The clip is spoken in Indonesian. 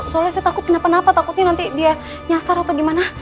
soalnya saya takut kenapa napa takutnya nanti dia nyasar atau gimana